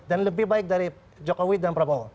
dan lebih baik dari jokowi dan prabowo